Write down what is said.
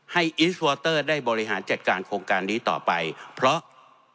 อิสวอเตอร์ได้บริหารจัดการโครงการนี้ต่อไปเพราะ